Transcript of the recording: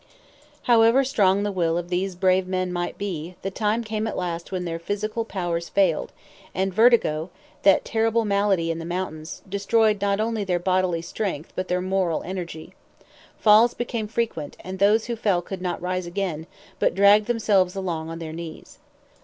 However strong the will of these brave men might be, the time came at last when their physical powers failed, and vertigo, that terrible malady in the mountains, destroyed not only their bodily strength but their moral energy. Falls became frequent, and those who fell could not rise again, but dragged themselves along on their knees.